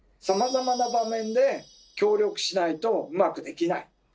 さまざまな場面で協力しないとうまくできない。